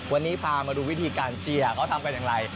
วันนี้พามาดูวิธีการเจียเขาทำกันอย่างไร